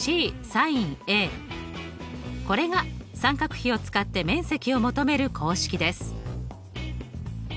これが三角比を使って面積を求める公式です。